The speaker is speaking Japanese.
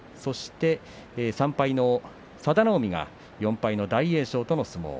３敗の佐田の海が４敗の大栄翔との相撲。